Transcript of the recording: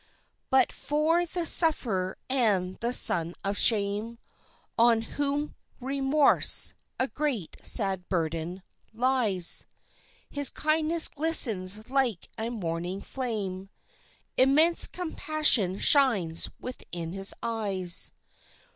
But for the sufferer and the son of shame On whom remorse a great, sad burden lies, His kindness glistens like a morning flame, Immense compassion shines within his eyes.